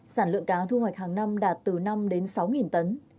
sản lượng cá thu hoạch hàng năm đạt từ năm đến sáu tấn